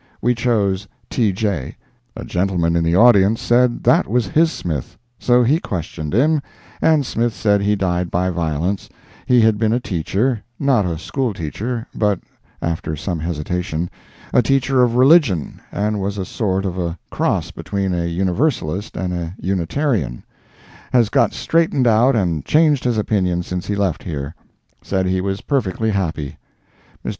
We chose "T. J." A gentleman in the audience said that was his Smith. So he questioned him, and Smith said he died by violence; he had been a teacher; not a school teacher, but (after some hesitation) a teacher of religion, and was a sort of a cross between a Universalist and a Unitarian; has got straightened out and changed his opinion since he left here; said he was perfectly happy. Mr.